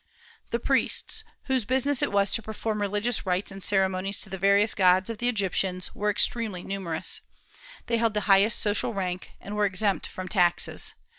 The priests, whose business it was to perform religious rites and ceremonies to the various gods of the Egyptians, were extremely numerous. They held the highest social rank, and were exempt from taxes.